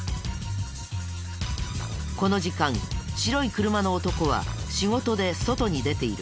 この時間白い車の男は仕事で外に出ている。